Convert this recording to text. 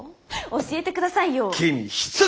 教えてくださいよー。